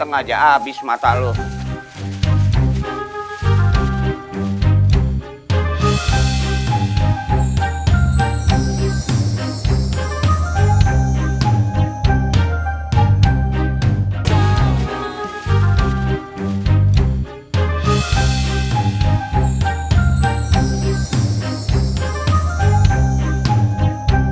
harus mukaku pergi ke sini